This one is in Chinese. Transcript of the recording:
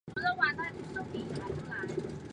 引江济太工程是引长江水进入太湖的调水工程。